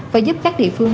và giúp các địa phương